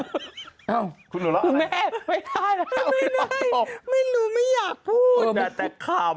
อ้าวคุณหนูเล่าอะไรคุณแม่ไม่ได้ไม่ได้ไม่รู้ไม่อยากพูดแต่คำ